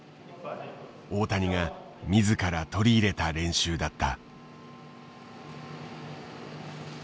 大谷が自ら取り入れた練習だった。